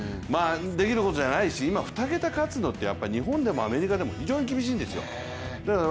できることじゃないし今、２桁勝つのって日本でもアメリカでも非常に厳しいんですよ。